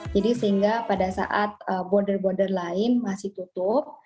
jadi sehingga pada saat border border lain masih tutup